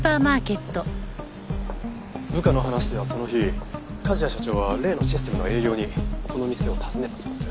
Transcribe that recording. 部下の話ではその日梶谷社長は例のシステムの営業にこの店を訪ねたそうです。